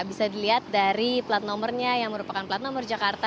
bisa dilihat dari plat nomornya yang merupakan plat nomor jakarta